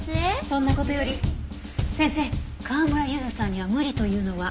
そんな事より先生川村ゆずさんには無理というのは？